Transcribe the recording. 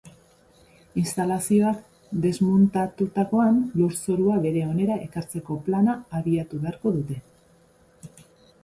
Instalazioak desmuntatutakoan, lurzorua bere onera ekartzeko plana abiatu beharko dute.